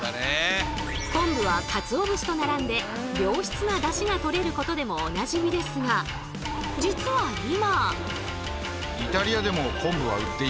昆布はかつお節と並んで良質なだしがとれることでもおなじみですが実は今。